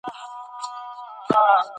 ماته یو نوی مسواک راوړه.